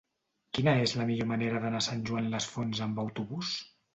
Quina és la millor manera d'anar a Sant Joan les Fonts amb autobús?